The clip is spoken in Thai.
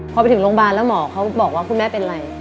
พอไปถึงโรงพยาบาลแล้วหมอเขาบอกว่าคุณแม่เป็นอะไร